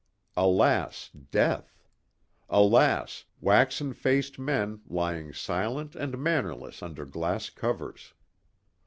Alas, death. Alas, waxen faced men lying silent and mannerless under glass covers.